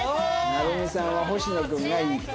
成美さんは星野君がいいって。